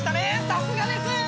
さすがです！